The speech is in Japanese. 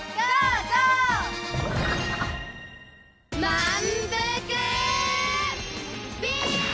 まんぷくビーム！